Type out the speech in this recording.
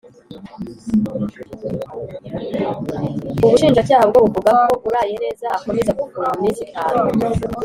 Ubushinjacyaha bwo buvuga ko Urayeneza akomeza gufungwa iminsi itanu